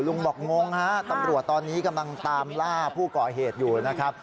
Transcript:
บอกงงฮะตำรวจตอนนี้กำลังตามล่าผู้ก่อเหตุอยู่นะครับ